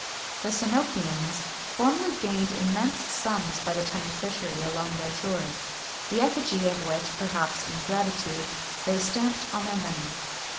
The Synopians formerly gained immense sums by the tunny fishery along their shores,[XXI 103] the effigy of which, perhaps in gratitude, they stamped on their money.